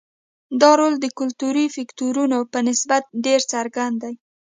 دا رول د کلتوري فکټورونو په نسبت ډېر څرګند دی.